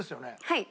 はい。